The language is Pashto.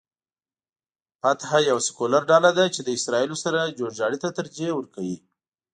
فتح یوه سیکولر ډله ده چې له اسراییلو سره جوړجاړي ته ترجیح ورکوي.